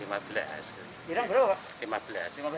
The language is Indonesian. hilang berapa pak